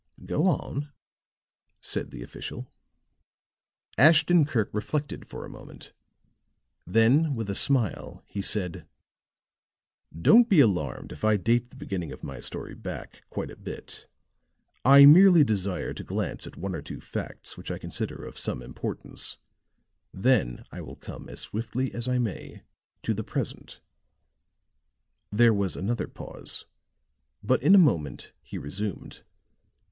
"Go on," said the official. Ashton Kirk reflected for a moment; then with a smile, he said: "Don't be alarmed if I date the beginning of my story back quite a bit. I merely desire to glance at one or two facts which I consider of some importance; then I will come as swiftly as I may to the present." There was another pause, but in a moment he resumed.